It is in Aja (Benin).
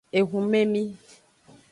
Ehumemi.